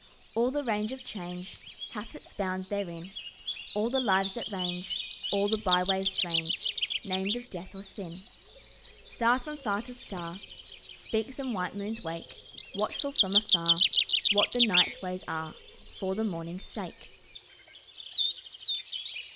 All the range of change Hath its bounds therein, All the lives that range All the byways strange Named of death or sin. Star from far to star Speaks, and white moons wake, Watchful from afar What the night's ways are For the morning's sake.